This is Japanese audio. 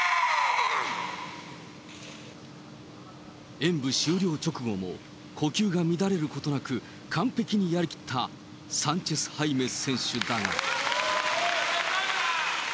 演舞終了直後も呼吸が乱れることなく、完璧にやりきったサンチェスハイメ選手だが。